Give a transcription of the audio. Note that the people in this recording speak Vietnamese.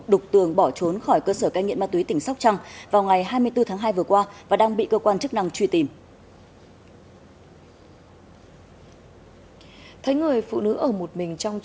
đục tường bỏ trốn khỏi cơ sở cai nghiện ma túy tỉnh sóc trăng vào ngày hai mươi bốn tháng hai vừa qua và đang bị cơ quan chức năng truy tìm